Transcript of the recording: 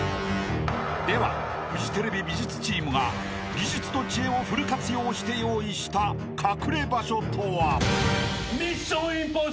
［ではフジテレビ美術チームが技術と知恵をフル活用して用意した隠れ場所とは？］